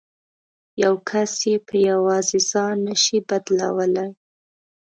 یو کس یې په یوازې ځان نه شي بدلولای.